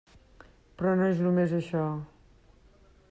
Però no és només això.